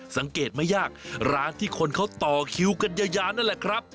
สังเกตไม่ยากร้านที่คนเขาต่อคิวกันยาวนั่นแหละครับ